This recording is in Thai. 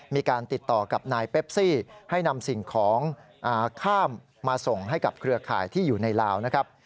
มีการติดต่อกับนายเปปซี่ให้นำสิ่งของข้ามมาส่งให้กับเครือข่ายที่อยู่ในลาวนะครับ